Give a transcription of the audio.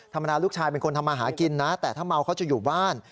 ธรรมดาลูกชายเป็นคนทำมาหากินนะแต่ถ้าเมาเขาจะอยู่บ้าน